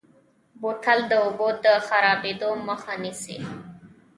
بوتل د اوبو د خرابېدو مخه نیسي.